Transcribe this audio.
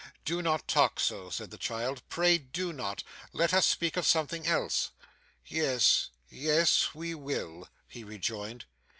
'Do not talk so,' said the child. 'Pray do not. Let us speak of something else.' 'Yes, yes, we will,' he rejoined.